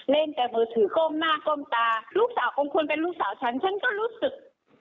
แต่มือถือก้มหน้าก้มตาลูกสาวของคุณเป็นลูกสาวฉันฉันก็รู้สึก